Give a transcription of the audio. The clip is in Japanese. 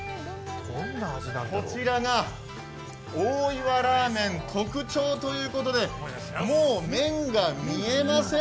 こちらが大岩ラーメン特鳥ということでもう麺が見えません。